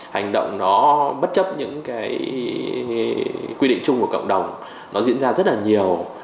hành động đó bất chấp những quy định chung của cộng đồng nó diễn ra rất là nhiều